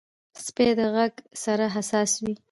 سپي د غږ سره حساس وي.